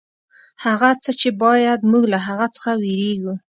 هغه څه چې باید موږ له هغه څخه وېرېږو.